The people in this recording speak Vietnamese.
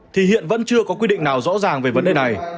thì hiện vẫn chưa có quy định nào rõ ràng về vấn đề này